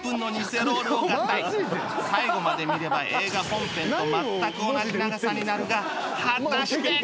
最後まで見れば映画本編と全く同じ長さになるが果たして！？